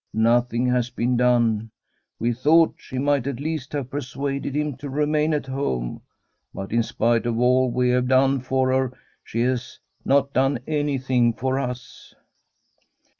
Nothing has been done. Wc thought she might at least have persuaded him to remain at home, but in spite of all we have done for her, she has not done anything for us.'